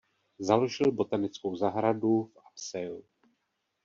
Založil botanickou zahradu v Uppsale.